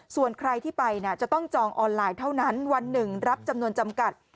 ส่วนใครที่ไปจะต้องจองออนไลน์เท่านั้นวันหนึ่งรับจำนวนจำกัด